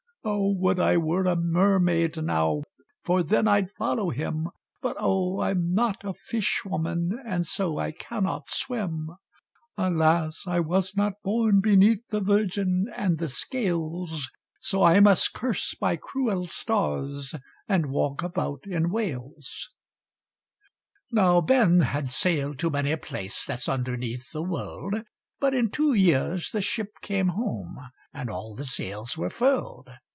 "O! would I were a mermaid now, For then I'd follow him; But, oh! I'm not a fish woman, And so I cannot swim. "Alas! I was not born beneath 'The virgin and the scales,' So I must curse my cruel stars, And walk about in Wales," Now Ben had sail'd to many a place That's underneath the world; But in two years the ship came home, And all the sails were furl'd.